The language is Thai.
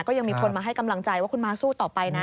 ก็ยังมีคนมาให้กำลังใจว่าคุณม้าสู้ต่อไปนะ